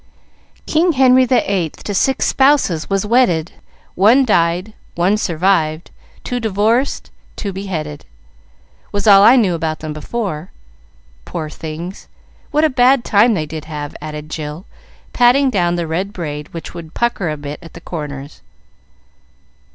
"'King Henry the Eighth to six spouses was wedded, One died, one survived, two divorced, two beheaded,' was all I knew about them before. Poor things, what a bad time they did have," added Jill, patting down the red braid, which would pucker a bit at the corners.